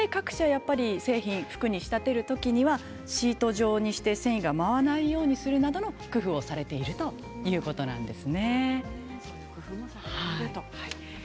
やっぱり製品を服に仕立てる時にはシート状にして繊維が舞わないようにするなどの工夫をされているということです。